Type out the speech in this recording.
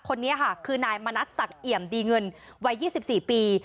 คนนี้ค่ะคือนายมณัฐศักดิ์เอี่ยมดีเงินวัย๒๔ปี